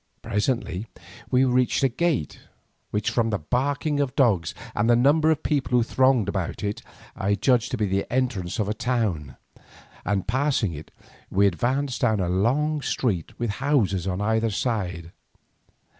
Presently we reached a gate, which, from the barking of dogs and the numbers of people who thronged about it, I judged to be the entrance to a town, and passing it, we advanced down a long street with houses on either side.